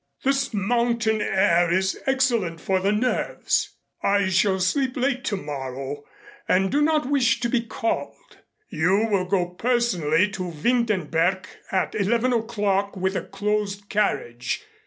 This mountain air is excellent for the nerves. I shall sleep late tomorrow and do not wish to be called. You will go personally to Windenberg at eleven o'clock with a closed carriage.